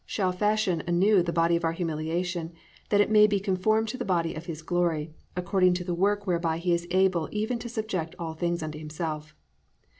. shall fashion anew the body of our humiliation, that it may be conformed to the body of his glory, according to the work whereby he is able even to subject all things unto himself."